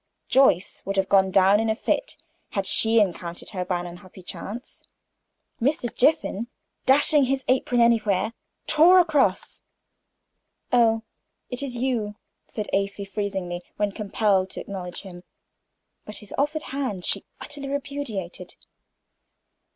Joyce would have gone down in a fit had she encountered her by an unhappy chance. Mr. Jiffin, dashing his apron anywhere, tore across. "Oh, it is you!" said Afy, freezingly, when compelled to acknowledge him, but his offered hand she utterly repudiated.